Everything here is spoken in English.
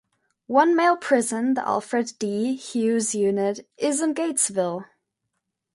One male prison, the Alfred D. Hughes Unit, is in Gatesville.